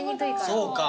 そうか。